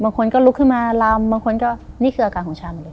บางคนก็ลุกขึ้นมาลำบางคนก็นี่คืออาการของชามเลย